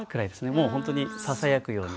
もうほんとにささやくように。